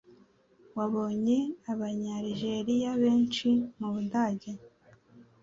Wabonye Abanyalijeriya benshi mu Budage?